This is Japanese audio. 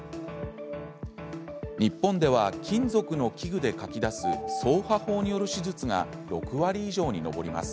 日本では、金属の器具でかき出すそうは法による手術が６割以上に上ります。